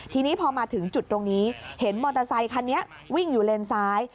ทีนี้พอมาถึงจุดตรงนี้เห็นมอเตอร์ไซคันนี้วิ่งอยู่เลนซ้าย